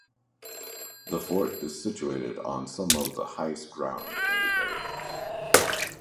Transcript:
The fort is situated on some of the highest ground in the area.